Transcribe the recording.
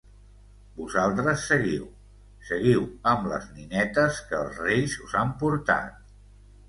Vosaltres, seguiu, seguiu amb les ninetes que els reis us han portat!